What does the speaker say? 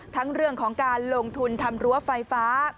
ทั้งเรื่องของการลงทุนทำรั้วไฟฟ้า